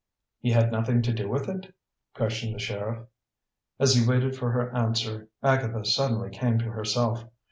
"He had nothing to do with it?" questioned the sheriff. As he waited for her answer, Agatha suddenly came to herself.